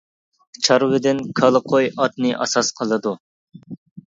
چارۋىدىن كالا، قوي، ئاتنى ئاساس قىلىدۇ.